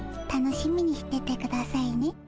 楽しみにしててくださいね。